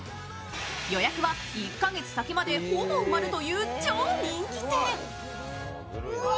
予約は１か月先までほぼ埋まるという超人気店。